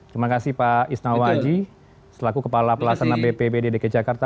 terima kasih pak isnawaji selaku kepala pelaksana bpbd dki jakarta